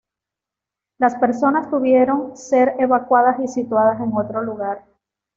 Las personas tuvieron ser evacuadas y situadas en otro lugar.